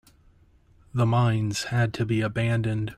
The mines had to be abandoned.